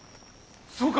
そうか！